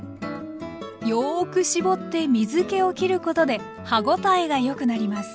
よく絞って水けをきることで歯応えがよくなります。